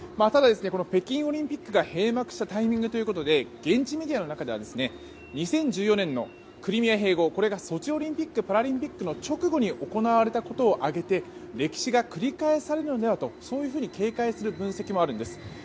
ただ北京オリンピックが閉幕したタイミングということで現地メディアの中では２０１４年のクリミア併合がこれがソチオリンピック・パラリンピックの直後に行われたことを挙げて歴史が繰り返されるのではと警戒する分析もあるんです。